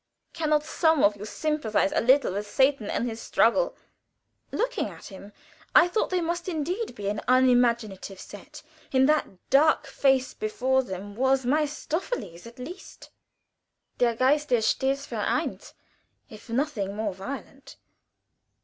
Can not some of you sympathize a little with Satan and his struggle?" Looking at him, I thought they must indeed be an unimaginative set! In that dark face before them was Mephistopheles at least der Geist der stets verneint if nothing more violent.